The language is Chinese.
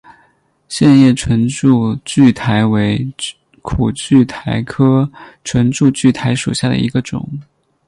线叶唇柱苣苔为苦苣苔科唇柱苣苔属下的一个种。